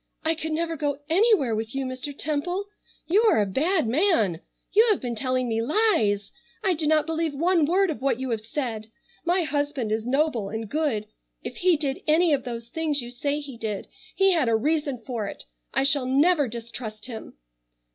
"I could never go anywhere with you Mr. Temple. You are a bad man! You have been telling me lies! I do not believe one word of what you have said. My husband is noble and good. If he did any of those things you say he did he had a reason for it. I shall never distrust him."